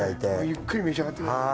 ゆっくり召し上がって下さい。